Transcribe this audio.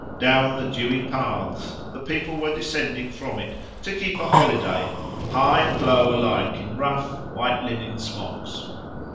Down the dewy paths the people were descending from it, to keep a holiday, high and low alike in rough, white linen smocks.